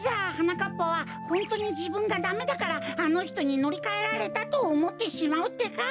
かっぱはホントにじぶんがダメだからあのひとにのりかえられたとおもってしまうってか。